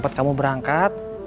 kalo kamu berangkat